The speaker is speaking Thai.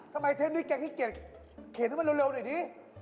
ทำไมเท่านี้แกขี้เกียจเข็นมาเร็วหน่อยดิ